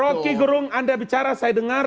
rocky gurung anda bicara saya dengar